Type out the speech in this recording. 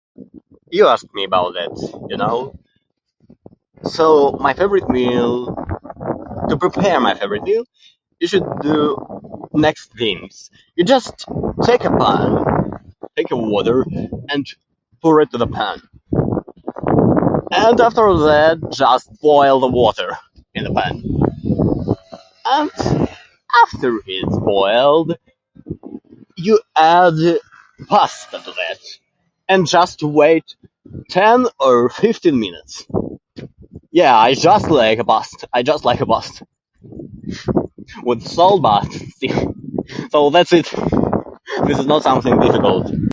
You ask me about that, you know? So, my favorite meal, to prepare my favorite meal you should do next things. You just take a pan, take a water, and throw it to the pan. And after that, just boil the water in the pan. And after it's boiled, you add pasta to that. And just wait ten or fifteen minutes. Yeah, I just like pasta, I just like pasta with soda. So that's it. This is not something difficult.